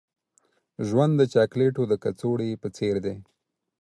ژوند د چاکلیټو د کڅوړې په څیر دی.